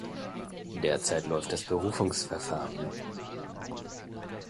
Derzeit läuft das Berufungsverfahren.